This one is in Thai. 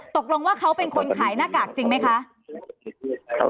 ตกลงว่าเขาเป็นคนขายหน้ากากจริงไหมคะ